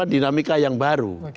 dinamika yang baru